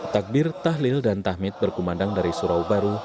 takbir tahlil dan tahmid berkumandang dari surau baru